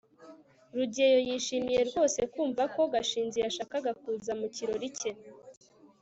rugeyo yishimiye rwose kumva ko gashinzi yashakaga kuza mu kirori cye